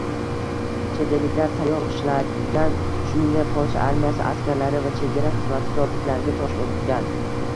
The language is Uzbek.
Chet elliklar tayoq ishlatgan, shuningdek, Polsha armiyasi askarlari va chegara xizmati zobitlariga tosh otgan